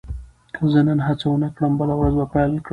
که زه نن هڅه ونه کړم، بله ورځ به پیل کړم.